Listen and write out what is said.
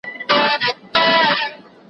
په ډوډۍ به یې د غم عسکر ماړه وه